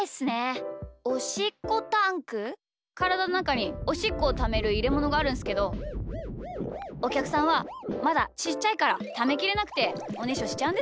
おしっこタンク？からだのなかにおしっこをためるいれものがあるんすけどおきゃくさんはまだちっちゃいからためきれなくておねしょしちゃうんですよね。